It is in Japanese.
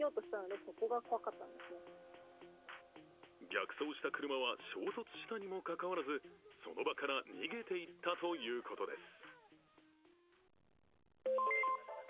逆走した車は衝突したにもかかわらずその場から逃げていったということです。